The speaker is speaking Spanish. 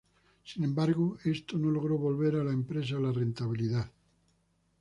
Sin embargo esto no logró volver a la empresa a la rentabilidad.